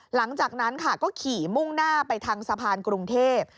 หลังจากนั้นค่ะก็ขี่มุ่งหน้าไปทางสะพานกรุงเทพ